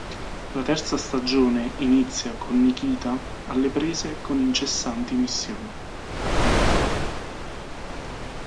La terza stagione inizia con Nikita alle prese con incessanti missioni.